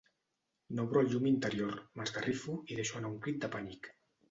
N'obro el llum interior, m'esgarrifo i deixo anar un crit de pànic.